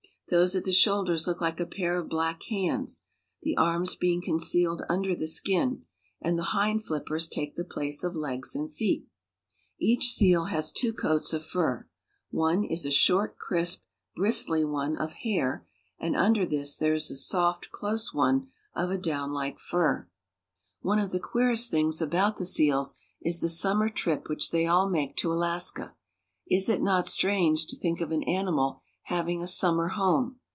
Those at the shoulders look like a pair of black hands, the arms being concealed under the skin, and the hind flippers take the place of legs and feet. Each seal has two coats of fur. One is a short, crisp, bristly one of hair, and under this there is a soft, close one of a downlike fur. 304 ALASKA. Seals. One of the queerest things about the seals is the sum mer trip which they all make to Alaska. Is it not strange to think of an animal having a summer home?